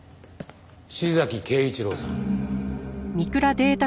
志崎圭一郎さん。